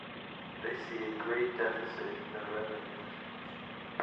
They see a great deficit in their revenues.